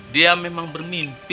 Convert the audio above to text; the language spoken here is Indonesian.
dia memang bermimpi